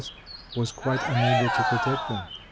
was quite unable to protect them.